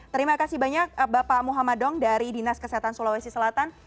terima kasih banyak bapak muhammad dong dari dinas kesehatan sulawesi selatan